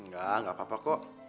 gak gak apa apa kok